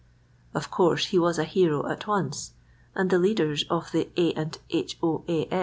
Of course he was a hero at once, and the leaders of the "A. & H. O. A.